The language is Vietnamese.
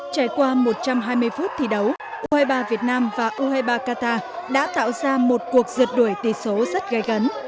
trải qua một trăm hai mươi phút thi đấu u hai mươi ba việt nam và u hai mươi ba qatar đã tạo ra một cuộc rượt đuổi tỷ số rất gai gắt